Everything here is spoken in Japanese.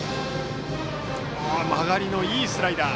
曲がりのいいスライダー。